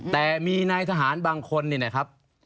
แต่มีนายทหารบางคนเนี่ยนะครับ